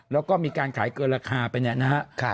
แล้วก็มีการขายเกินราคาไปเนี่ยนะครับ